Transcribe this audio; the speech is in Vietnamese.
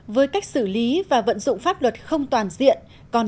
với cách xử lý và vận dụng pháp luật không toàn diện